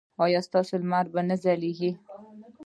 ایا ستاسو لمر به نه ځلیږي؟